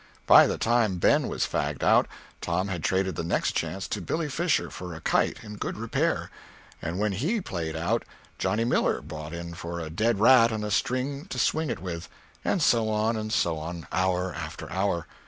By the time Ben was fagged out, Tom had traded the next chance to Billy Fisher for a kite, in good repair; and when he played out, Johnny Miller bought in for a dead rat and a string to swing it with—and so on, and so on, hour after hour.